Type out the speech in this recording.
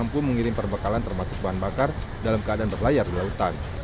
mampu mengirim perbekalan termasuk bahan bakar dalam keadaan berlayar di lautan